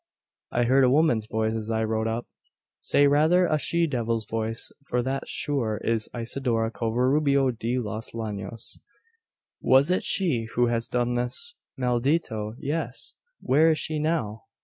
"I heard a woman's voice, as I rode up." "Say rather a she devil's voice: for that, sure, is Isidora Covarubio de los Llanos." "Was it she who has done this?" "Maldito, yes! Where is she now?